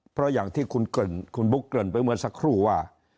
เพราะอย่างที่คุณบุ๊คเกริ่นไปเมื่อสักครู่ว่า